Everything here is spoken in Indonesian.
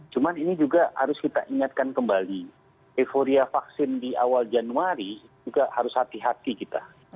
cuma ini juga harus kita ingatkan kembali euforia vaksin di awal januari juga harus hati hati kita